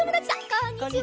こんにちは！